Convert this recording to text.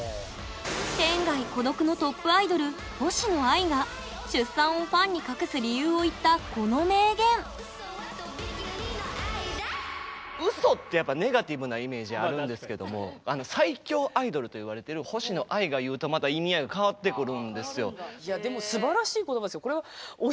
天涯孤独のトップアイドル星野アイが出産をファンに隠す理由を言ったこの名言嘘ってやっぱネガティブなイメージあるんですけども最強アイドルといわれてる星野アイが言うとまた意味合いが変わってくるんですよ。